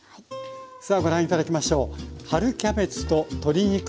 さあご覧頂きましょう。